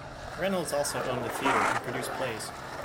Reynolds also owned a theater and produced plays.